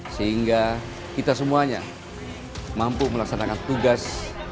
sehingga kita semuanya mampu melaksanakan tugas